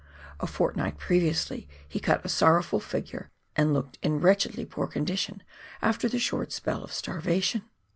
A fortnight previously he cut a sorrowful figure, and looked ill wretchedly poor condition after the short spell of starvation.